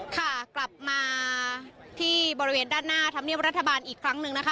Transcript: ค่ะกลับมาที่บริเวณด้านหน้าธรรมเนียบรัฐบาลอีกครั้งหนึ่งนะคะ